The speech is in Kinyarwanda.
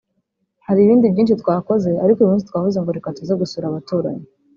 hari ibindi byinshi twakoze ariko uyu munsi twavuze ngo reka tuze gusura abaturanyi